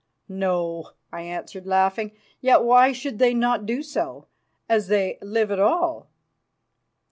"No," I answered, laughing. "Yet why should they not do so, as they live at all?